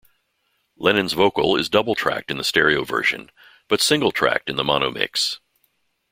Lennon's vocal is double-tracked in the stereo version, but single-tracked in the mono mix.